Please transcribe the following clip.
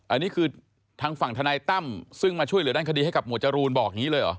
อันนี้คือทางฝั่งธนายตั้มซึ่งมาช่วยเหลือด้านคดีให้กับหมวดจรูนบอกอย่างนี้เลยเหรอ